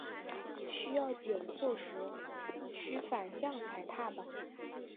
需要减速时须反向踩踏板。